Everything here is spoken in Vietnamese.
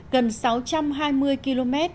gần sáu trăm hai mươi km